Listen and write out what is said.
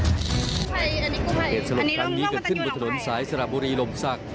ตัวคราวนี้เกิดสรกทางดีเกิดขึ้นบนถนนสายสระบุรีลมสัก